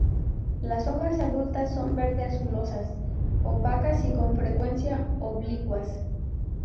Las hojas adultas son verde-azulosas opacas y con frecuencia oblicuas.